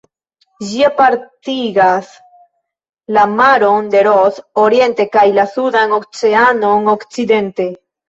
Ĝi apartigas la maron de Ross oriente kaj la Sudan Oceanon okcidente.